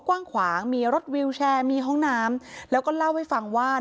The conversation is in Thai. กว้างขวางมีรถวิวแชร์มีห้องน้ำแล้วก็เล่าให้ฟังว่า